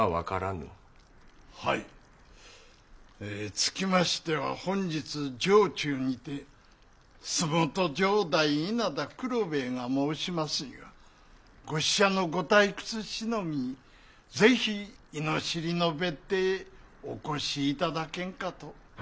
つきましては本日城中にて洲本城代稲田九郎兵衛が申しますには御使者の御退屈しのぎに是非猪尻の別邸へお越しいただけんかと。